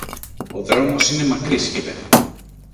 Ο δρόμος είναι μακρύς, είπε.